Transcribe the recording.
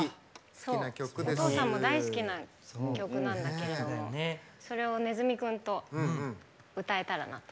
お父さんも大好きな曲なんだけれどもそれをねずみくんを歌えたらなと。